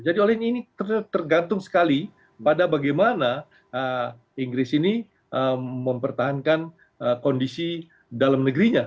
jadi oleh ini tergantung sekali pada bagaimana inggris ini mempertahankan kondisi dalam negerinya